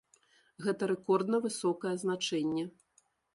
Гэта рэкордна высокае значэнне.